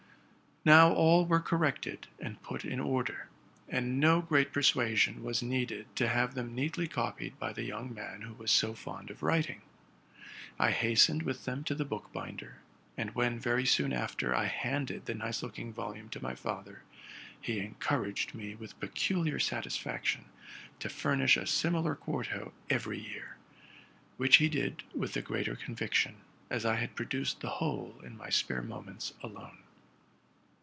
Now all were corrected and put in order, aud no great persuasion was needed to have them neatly copied by the young man who was so fond of writing. I hastened with them to the book binder: and when, ver y soon after, I handed the nice looking volume to my father, he en couraged me with peculiar satisfaction to furnish a similar quarto every year; which he did with the greater conviction, as I had produced the whole in my spare moments alone.